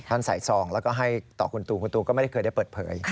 ท่านสายทรองแล้วก็ให้ต่อคุณตูคุณตูก็ไม่เคยได้เปิดเผย